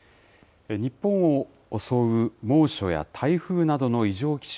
日本を襲う猛暑や台風などの異常気象。